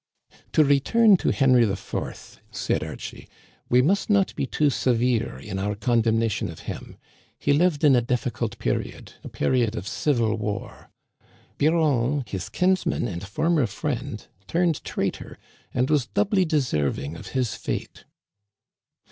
" To return to Henry IV," said Archie ;" we must Digitized by VjOOQIC LOCHIEL AND BLANCHE, 253 not be too severe in our condemnation of him. He lived in a difficult period, a period of civil war. Biron, his kinsman and former friend, turned traitor, and was doubly deserving of his fate."